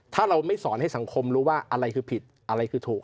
ถ้าเราไม่สอนให้สังคมรู้ว่าอะไรคือผิดอะไรคือถูก